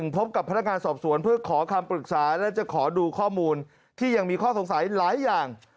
พบกับพนักงานสอบสวนเพื่อขอคำปรึกษาและจะขอดูข้อมูลที่ยังมีข้อสงสัยหลายอย่าง